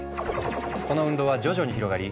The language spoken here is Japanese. この運動は徐々に広がり